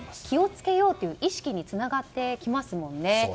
気を付けようという意識につながってきますもんね。